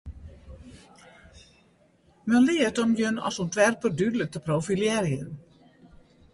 Men leart om jin as ûntwerper dúdlik te profilearjen.